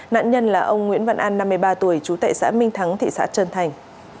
nạn nhân là ông nguyễn văn an năm mươi ba tuổi trú tại xã minh thắng thị xã trân thành